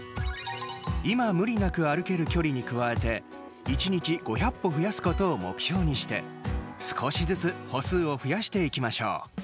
今、無理なく歩ける距離に加えて１日５００歩増やすことを目標にして少しずつ歩数を増やしていきましょう。